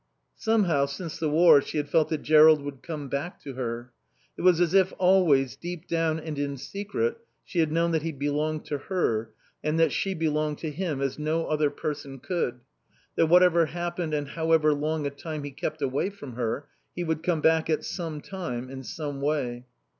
Somehow, since the war she had felt that Jerrold would come back to her. It was as if always, deep down and in secret, she had known that he belonged to her and that she belonged to him as no other person could; that whatever happened and however long a time he kept away from her he would come back at some time, in some way.